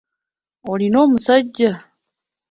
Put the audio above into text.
Olina omusajja?